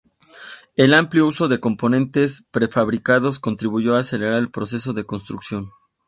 El amplio uso de componentes prefabricados contribuyó a acelerar el proceso de construcción.